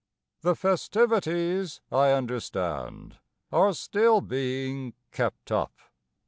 The festivities, I understand, Are still being kept up.